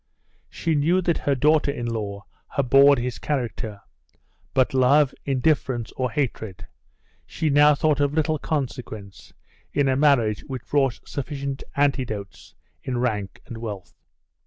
She knew that her daughter in law abhorred his character, but love, indifference, or hatred, she now thought of little consequence in a marriage which brought sufficient antidotes in rank and wealth.